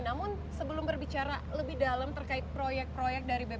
namun sebelum berbicara lebih dalam terkait proyek proyek dari bpjs